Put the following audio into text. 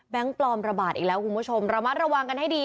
ปลอมระบาดอีกแล้วคุณผู้ชมระมัดระวังกันให้ดี